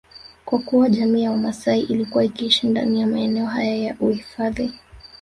Kwa kuwa jamii ya wamaasai ilikuwa ikiishi ndani ya maeneo haya ya uhifadhi